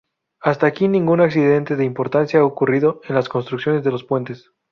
Hasta aquí ningún accidente de importancia ha ocurrido en la construcción de los puentes.